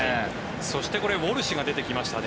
そしてウォルシュが出てきましたね。